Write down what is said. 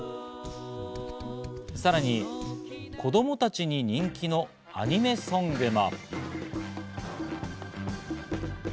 さらに子供たちに人気のアニメソングも。